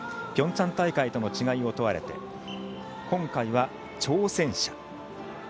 ピョンチャン大会との違いを問われて今回は、挑戦者。